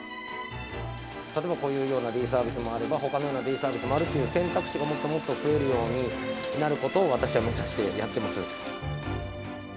例えばこういうようなデイサービスもあれば、ほかのようなデイサービスもあるという選択肢がもっともっと増えるようになることを私は目指してやってます。